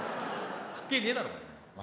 関係ねえだろ。